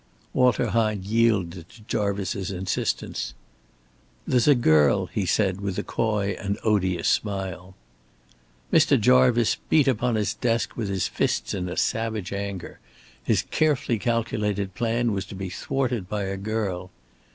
Walter Hine yielded to Jarvice's insistence. "There's a girl," he said, with a coy and odious smile. Mr. Jarvice beat upon his desk with his fists in a savage anger. His carefully calculated plan was to be thwarted by a girl.